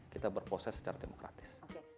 kita berproses secara demokratis